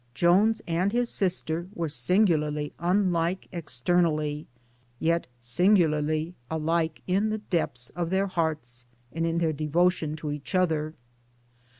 Joynes and his sister were singularly unlike ex ternally, yet singularly alike in the depths of their PERSONALITIES 237 hearts and in their devotion to each other.